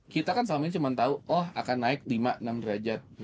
kita kan selama ini cuma tahu oh akan naik lima enam derajat